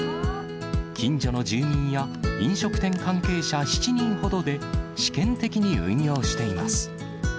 近所の住民や飲食店関係者７人ほどで、試験的に運用しています。